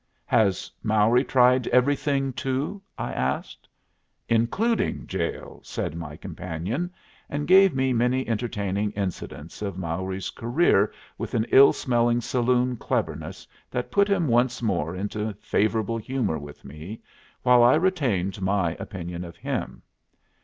"Has Mowry tried everything, too?" I asked. "Including jail," said my companion; and gave me many entertaining incidents of Mowry's career with an ill smelling saloon cleverness that put him once more into favorable humor with me, while I retained my opinion of him.